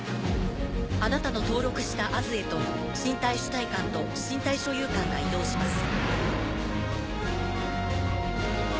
あなたの登録した「Ａｓ」へと身体主体感と身体所有感が移動します。